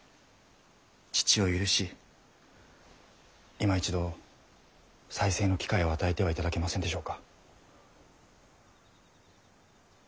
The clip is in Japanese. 父を許しいま一度再生の機会を与えてはいただけませんでしょうか。